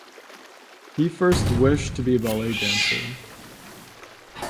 He first wished to be a ballet dancer.